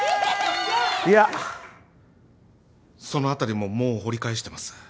いやその辺りももう掘り返してます。